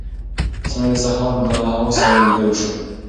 سړی د سهار له هوا سره ویده شو.